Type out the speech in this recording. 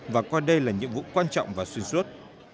và coi đây là nhiệm vụ quan trọng và xuyên suốt